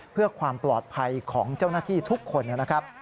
เพื่อความปลอดภัยของเจ้าหน้าที่ทุกคนนะครับ